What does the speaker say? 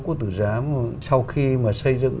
của tử giám sau khi mà xây dựng